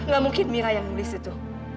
gak mungkin mira yang nulis itu